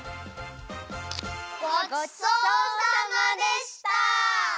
ごちそうさまでした！